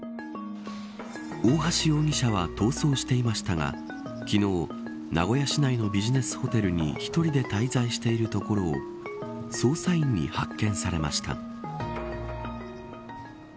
大橋容疑者は逃走していましたが昨日、名古屋市内のビジネスホテルに１人で滞在しているところを捜査員に発見されました。